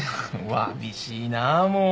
わびしいなもう。